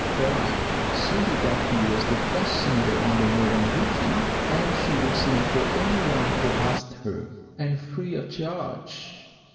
Why, Susie Duffy was the best singer on the Murrumbidgee, and she would sing for any one who asked her, and free of charge.